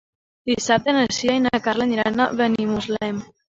Dissabte na Sira i na Carla aniran a Benimuslem.